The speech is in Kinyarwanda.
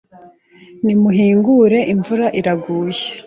“Nimuhingure imvura iraguye”